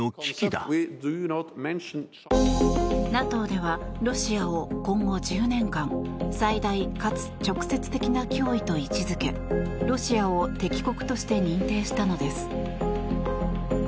ＮＡＴＯではロシアを今後１０年間最大かつ直接的な脅威と位置付けロシアを敵国として認定したのです。